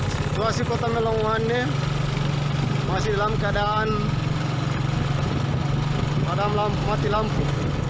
situasi kota melangwane masih dalam keadaan mati lampu